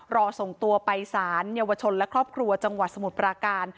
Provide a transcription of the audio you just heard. รอส่งตัวไปสารเยาวชนและครอบครัวจังหวัดสมุทรปราการ